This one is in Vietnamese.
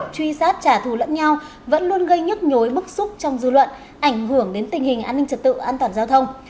truy sát trả thù lẫn nhau vẫn luôn gây nhức nhối bức xúc trong dư luận ảnh hưởng đến tình hình an ninh trật tự an toàn giao thông